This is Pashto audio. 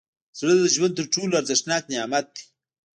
زړه د ژوند تر ټولو ارزښتناک نعمت دی.